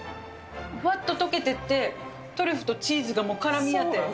ふわっと溶けていって、トリュフとチーズがからみ合って。